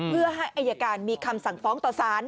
เพื่อให้อายการมีคำสั่งฟ้องต่อสาร